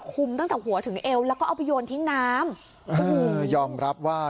ตั้งแต่หัวถึงเอวแล้วก็เอาไปโยนทิ้งน้ำเออยอมรับว่า